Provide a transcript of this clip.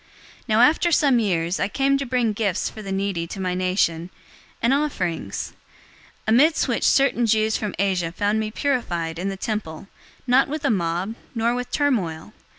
024:017 Now after some years, I came to bring gifts for the needy to my nation, and offerings; 024:018 amid which certain Jews from Asia found me purified in the temple, not with a mob, nor with turmoil.